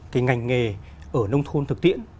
cái ngành nghề ở nông thôn thực tiễn